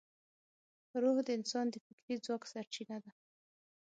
روح د انسان د فکري ځواک سرچینه ده.